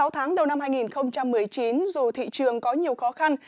sáu tháng đầu năm hai nghìn một mươi chín dù thị trường có nhiều khó khăn